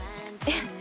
えっ！